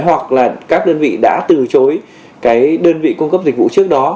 hoặc là các đơn vị đã từ chối cái đơn vị cung cấp dịch vụ trước đó